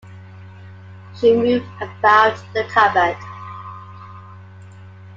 She moved about the cupboard.